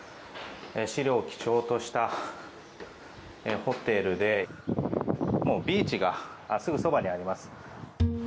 白を基調としたホテルでもう、ビーチがすぐそばにあります。